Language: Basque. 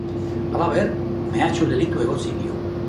Halaber, mehatxu delitua egotzi dio.